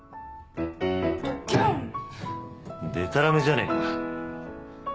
でたらめじゃねえか。